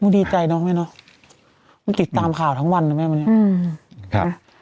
มึงดีใจเนอะไม่เนอะมึงติดตามข่าวทั้งวันหรือไม่อืมครับ